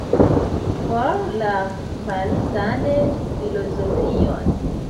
For la falsan filozofion!